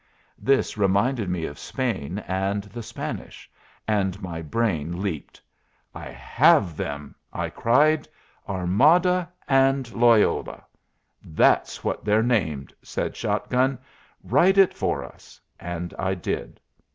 This reminded me of Spain, and the Spanish; and my brain leaped. "I have them!" I cried. "'Armada' and 'Loyola.'" "That's what they're named!" said Shot gun; "write it for us." And I did.